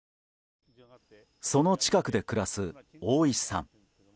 その近くで暮らす大石さん。